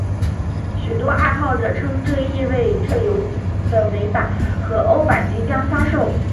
许多爱好者称这意味这游戏的美版和欧版即将发售。